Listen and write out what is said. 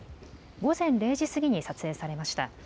午前０時過ぎに撮影されました。